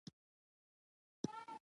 ډېر مست نارینه به له لوږې مړه شوي وای.